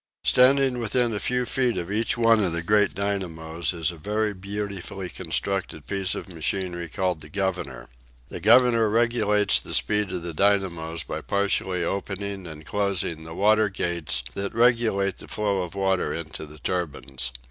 Standing within a few feet of each one of the great dynamos is a very beautifully constructed piece of machinery called the governor. The governor regulates the speed of the dynamos by partially opening and closing the water gates that regulate the flow of water into the turbines.